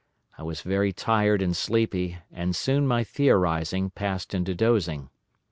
I was very tired and sleepy, and soon my theorising passed into dozing.